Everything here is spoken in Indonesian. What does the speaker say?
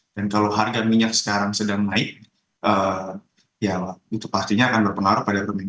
dan kalau harga minyak sekarang sedang naik ya itu pastinya akan berpengaruh pada pemerintahan